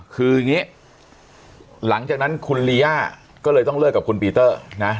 คืออย่างนี้หลังจากนั้นคุณลีย่าก็เลยต้องเลิกกับคุณปีเตอร์นะ